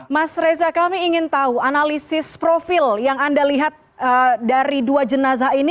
mas reza kami ingin tahu analisis profil yang anda lihat dari dua jenazah ini